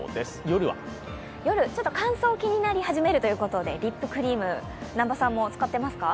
夜、乾燥が気になり始めるということでリップクリーム、南波さんも使ってますか？